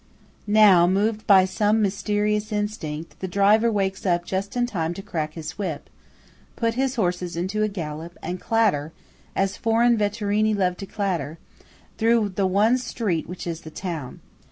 Now, moved by some mysterious instinct, the driver wakes up just in time to crack his whip, put his horses into a gallop, and clatter, as foreign vetturini love to clatter, through the one street which is the town.